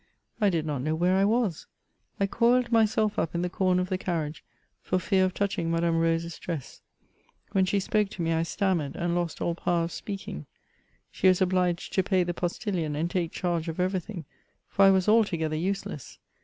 I did not know where I was ; I coiled myself up in the comer of the carriage, for fear of touching Madame Rose's dress. When she spoke to me, I stammered, and lost all power of speaking. She was obMged to pay the postillion, and take charge of every thing — ^for I was altogether useless.